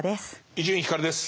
伊集院光です。